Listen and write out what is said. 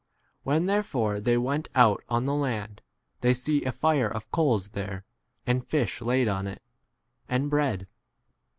When therefore they went out on the land, they see a fire of coals there, and fish laid on it, and bread.